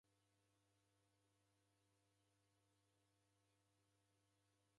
Ow'unja vilambo vedu nyumbenyi.